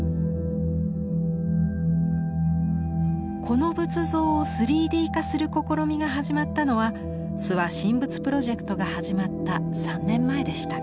この仏像を３Ｄ化する試みが始まったのは「諏訪神仏プロジェクト」が始まった３年前でした。